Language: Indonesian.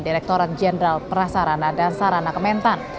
direkturat jenderal prasarana dan sarana kementan